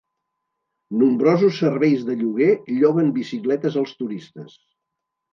Nombrosos serveis de lloguer lloguen bicicletes als turistes.